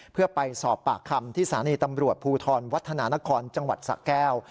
เพื่อไปสอบปากคำที่สถานีตำรวจภูทรวัฒนานครจังหวัดสะแก้ว